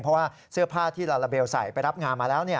เพราะว่าเสื้อผ้าที่ลาลาเบลใส่ไปรับงานมาแล้ว